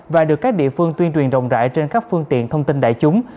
và được các địa phương tuyên truyền rộng rãi trên các phương tiện thông tin đại chúng